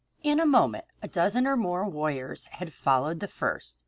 ] In a moment a dozen or more warriors had followed the first.